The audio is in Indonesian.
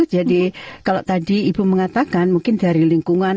jadi kalau tadi ibu mengatakan mungkin dari lingkungan